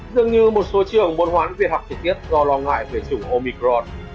dường như một số trường muốn hoãn việc học trực tiếp do lo ngại về chủng omicron